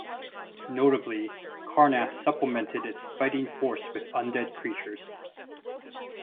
Notably, Karrnath supplemented its fighting force with undead creatures.